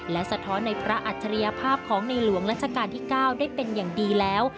และสะท้อนในพระอัจฉริยภาพของในหลวงรัชกาลที่๙ได้เป็นอย่างดีแล้ว